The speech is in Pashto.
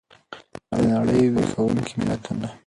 دنړۍ ویښوونکي متلونه!